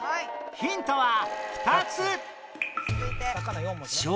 ヒントは２つ